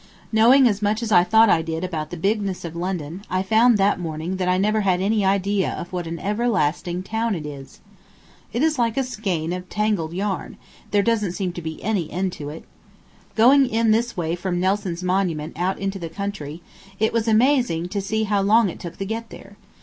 Knowing as much as I thought I did about the bigness of London, I found that morning that I never had any idea of what an everlasting town it is. It is like a skein of tangled yarn there doesn't seem to be any end to it. Going in this way from Nelson's Monument out into the country, it was amazing to see how long it took to get there.